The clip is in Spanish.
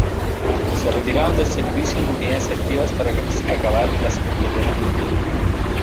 Se retiraron del servicio en unidades activas tras acabar la Segunda Guerra Mundial.